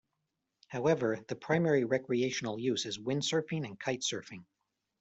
However, the primary recreational use is windsurfing and kitesurfing.